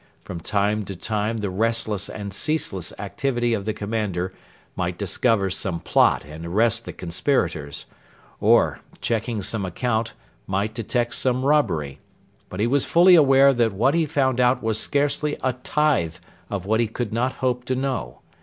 From time to time the restless and ceaseless activity of the commander might discover some plot and arrest the conspirators; or, checking some account, might detect some robbery; but he was fully aware that what he found out was scarcely a tithe of what he could not hope to know.